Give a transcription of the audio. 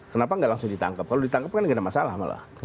kenapa nggak langsung ditangkap kalau ditangkap kan nggak ada masalah malah